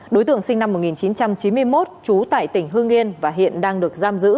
đối tượng sinh năm một nghìn chín trăm chín mươi một trú tại tỉnh hương yên và hiện đang được giam giữ